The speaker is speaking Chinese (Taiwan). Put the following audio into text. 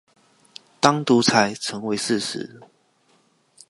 當獨裁成為事實